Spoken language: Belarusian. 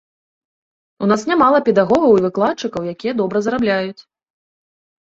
У нас нямала педагогаў і выкладчыкаў, якія добра зарабляюць.